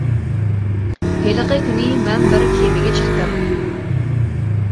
ھېلىقى كۈنى مەن بىر كېمىگە چىقتىم.